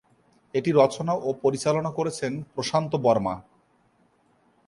এটি রচনা ও পরিচালনা করেছেন প্রশান্ত বর্মা।